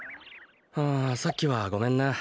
ああさっきはごめんな。